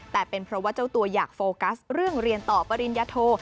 แต่เป็นเพราะว่าเจ้าตัวอยากโฟกัสเรื่องเรียนต่อปริญญาโท